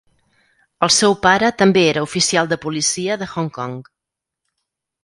El seu pare també era oficial de policia de Hong Kong.